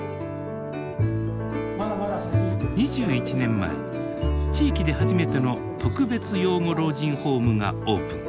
２１年前地域で初めての特別養護老人ホームがオープン。